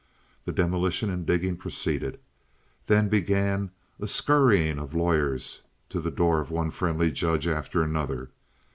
The demolition and digging proceeded. Then began a scurrying of lawyers to the door of one friendly judge after another.